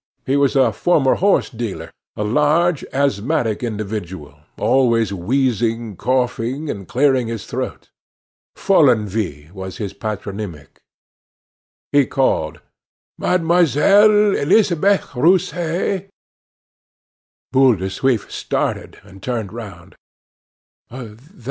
He was a former horse dealer a large, asthmatic individual, always wheezing, coughing, and clearing his throat. Follenvie was his patronymic. He called: "Mademoiselle Elisabeth Rousset?" Boule de Suif started, and turned round.